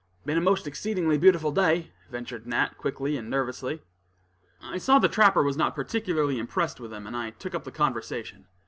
"Been a most exceedingly beautiful day," ventured Nat, quickly and nervously. I saw the trapper was not particularly impressed with him, and I took up the conversation.